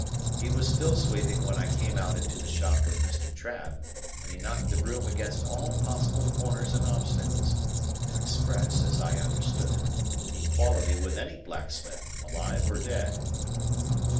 He was still sweeping when I came out into the shop with Mr. Trabb, and he knocked the broom against all possible corners and obstacles, to express (as I understood it) equality with any blacksmith, alive or dead.